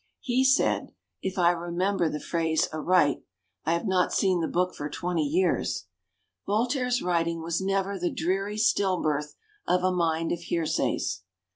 He said, if I remember the phrase aright (I have not seen the book for twenty years) : "Voltaire's writing was never the dreary still birth of a mind of hear says."